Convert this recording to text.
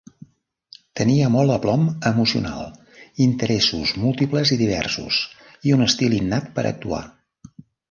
Tenia molt aplom emocional, interessos múltiples i diversos, i un estil innat per a actuar.